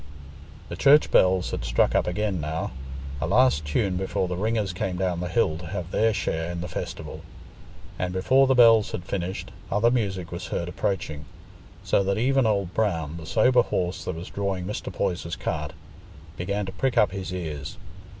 The church bells had struck up again now—a last tune, before the ringers came down the hill to have their share in the festival; and before the bells had finished, other music was heard approaching, so that even Old Brown, the sober horse that was drawing Mr. Poyser's cart, began to prick up his ears.